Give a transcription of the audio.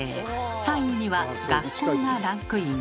３位には「学校」がランクイン。